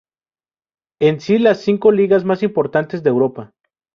En si las cinco ligas más importantes de Europa.